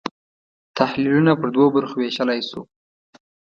تحلیلونه پر دوو برخو وېشلای شو.